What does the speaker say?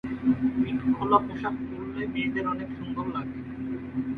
পিঠ খোলা পোশাক পড়লে মেয়েদের অনেক সুন্দর লাগে।